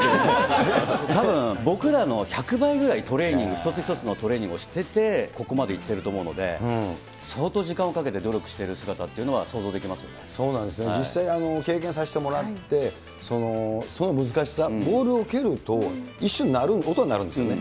たぶん、僕らの１００倍ぐらいトレーニング一つ一つのトレーニングをしてて、ここまでいってると思うので、相当時間をかけて努力している姿というのは想像でそうなんですね、実際、経験させてもらって、その難しさ、ボールを蹴ると一瞬鳴る、音は鳴るんですね。